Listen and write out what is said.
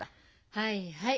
はいはい。